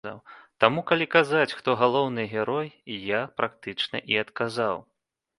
Таму калі казаць, хто галоўны герой, я практычна і адказаў.